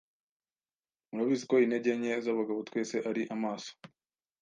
Murabizi ko intege nke z’abagabo twese ari amaso